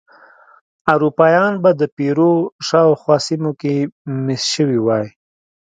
اروپایان به د پیرو شاوخوا سیمو کې مېشت شوي وای.